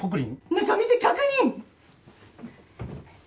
中見て確認！